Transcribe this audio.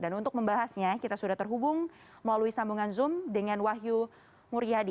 dan untuk membahasnya kita sudah terhubung melalui sambungan zoom dengan wahyu muryadi